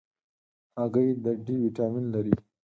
هګۍ د D ویټامین لري.